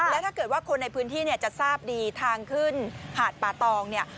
แล้วถ้าเกิดว่าคนในพื้นที่เนี่ยจะทราบดีทางขึ้นหาดป่าตองเนี่ย